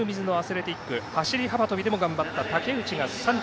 走り幅跳びでも頑張った竹内が３着。